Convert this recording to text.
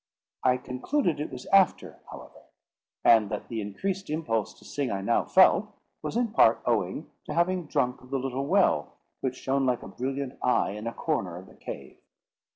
I concluded it was after, however; and that the increased impulse to sing I now felt, was in part owing to having drunk of the little well, which shone like a brilliant eye in a corner of the cave.